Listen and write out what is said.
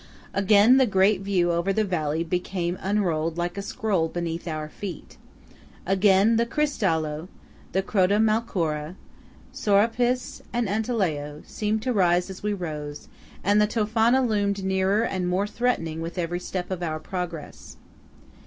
Again the great view over the valley became unrolled like a scroll beneath our feet. Again the Cristallo, the Croda Malcora, Sorapis and Antelao seemed to rise as we rose, and the Tofana loomed nearer and more threatening with every step of our progress.